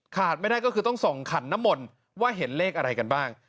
ไม่ได้ก็คือต้องส่องขันน้ำมนต์ว่าเห็นเลขอะไรกันบ้าง